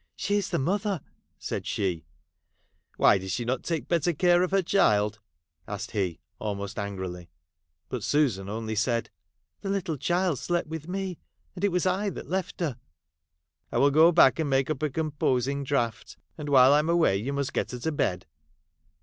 ' She is the mother !' said she. ' Why did not she take better care of her child 1 ' asked he, almost angrily. But Susan only said, ' The little child slept with me ; and it was I that left her.' ' I will go back and make up a composing draught ; and while I am away you must get her to bed.'